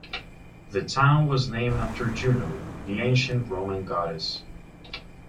The town was named after Juno, the ancient Roman goddess.